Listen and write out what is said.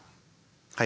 はい。